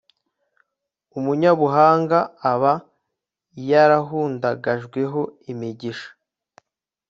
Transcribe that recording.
umunyabuhanga aba yarahundagajweho imigisha